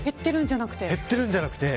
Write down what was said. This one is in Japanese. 減っているんじゃなくて。